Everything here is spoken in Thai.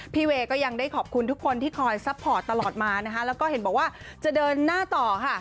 เวย์ก็ยังได้ขอบคุณทุกคนที่คอยซัพพอร์ตตลอดมานะคะแล้วก็เห็นบอกว่าจะเดินหน้าต่อค่ะ